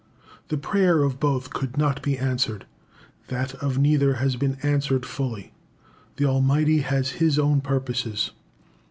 The prayer of both could not be answered. That of neither has been answered fully. The Almighty has His own purposes.